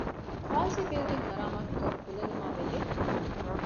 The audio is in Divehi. ޣާޒީ ބިލްޑިންގ މަރާމާތުކޮށް ކުލަލުމާބެހޭ